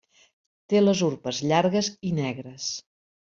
Té les urpes llargues i negres.